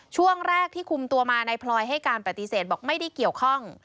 ช่วงแรกที่คุมตัวมานายพลอยให้การปฏิเสธบอกไม่ได้เกี่ยวข้อง